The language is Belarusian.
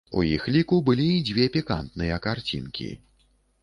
У іх ліку былі і дзве пікантныя карцінкі.